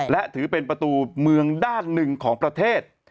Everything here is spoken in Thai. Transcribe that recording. และถือเป็นประตูเมืองด้านหนึ่งของประเทศ